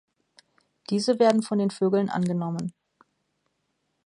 Diese werden von den Vögeln angenommen.